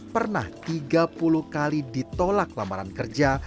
pernah tiga puluh kali ditolak lamaran kerja